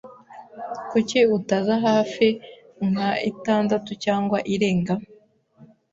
Kuki utaza hafi nka itandatu cyangwa irenga?